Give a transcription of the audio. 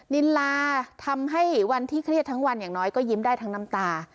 นินลาทำให้วันที่เครียดทั้งวันอย่างน้อยก็ยิ้มได้ทั้งน้ำตา